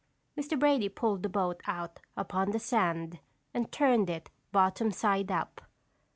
Mr. Brady pulled the boat out upon the sand and turned it bottom side up.